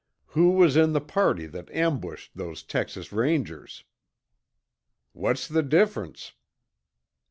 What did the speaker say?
"Who was in the party that ambushed those Texas Rangers?" "What's the difference?"